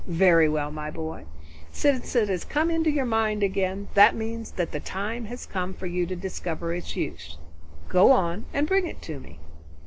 Very well, my boy, since it has come into your mind again, that means that the time has come for you to discover its use. Go and bring it to me."